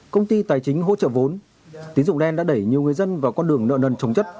công ty tài chính hỗ trợ vốn tín dụng đen đã đẩy nhiều người dân vào con đường nợ nần trồng chất